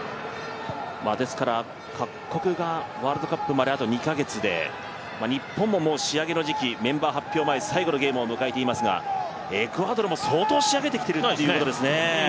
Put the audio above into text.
ですから、各国ワールドカップまであと２か月で日本も仕上げの時期に入ってきてますがエクアドルも相当仕上げてきてるということですよね。